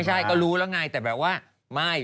ใช่ก็รู้แล้วไงแต่แบบว่าไม่